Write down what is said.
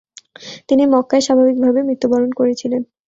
তিনি মক্কায় স্বাভাবিকভাবে মৃত্যুবরণ করেছিলেন।